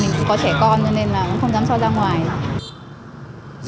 mình có trẻ con nên là nó không dám cho ra ngoài